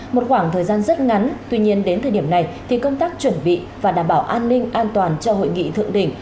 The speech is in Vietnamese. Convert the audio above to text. một khoảng thời gian rất ngắn tuy nhiên đến thời điểm này thì công tác chuẩn bị và đảm bảo an ninh an toàn cho hội nghị thượng đỉnh